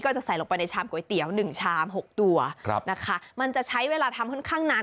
ก็จะใส่ลงไปในชามก๋วยเตี๋ยว๑ชาม๖ตัวมันจะใช้เวลาทำค่อนข้างนาน